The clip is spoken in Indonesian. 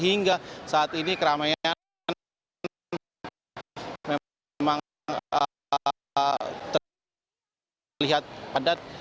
hingga saat ini keramaian memang terlihat padat